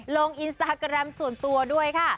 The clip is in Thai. ลงอินสตาแกรมส่วนตัวด้วยค่ะ